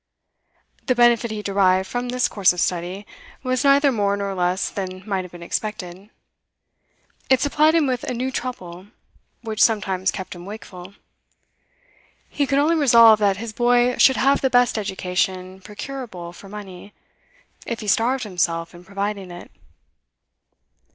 The benefit he derived from this course of study was neither more nor less than might have been expected; it supplied him with a new trouble, which sometimes kept him wakeful. He could only resolve that his boy should have the best education procurable for money, if he starved himself in providing it.